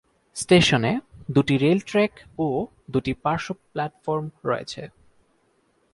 স্টেশনে দুটি rail track ও দুটি পার্শ্ব প্ল্যাটফর্ম রয়েছে।